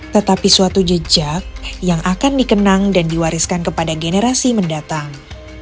tetapi suatu jejak yang akan dikenang dan diwariskan kepada generasi mendatang